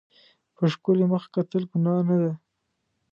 په ښکلي مخ کتل ګناه نه ده.